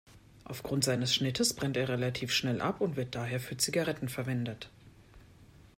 Aufgrund seines Schnittes brennt er relativ schnell ab und wird daher für Zigaretten verwendet.